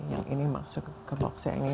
yang ini masuk ke box yang ini